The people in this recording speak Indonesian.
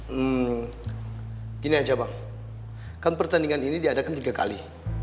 hmm gini aja bang kan pertandingan ini diadakan tiga kali